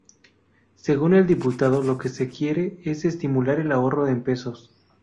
Según el diputado, lo que se quiere es estimular el ahorro en pesos.